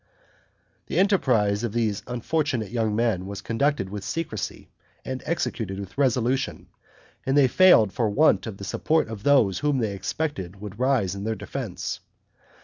The enterprise of these unfortunate young men was conducted with secrecy and executed with resolution; and they failed for want of the support of those whom they expected would rise in their defense.